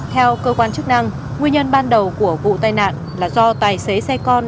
theo cơ quan chức năng nguyên nhân ban đầu của vụ tai nạn là do tài xế xe con